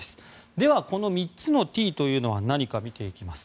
では、この３つのＴとは何か見ていきます。